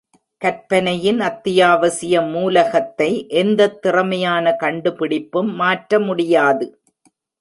கற்பனையின் அத்தியாவசிய மூலகத்தை எந்த திறமையான கண்டுபிடிப்பும் மாற்ற முடியாது.